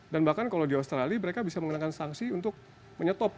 dan bahkan kalau di australia mereka bisa mengenakan sanksi untuk menyetop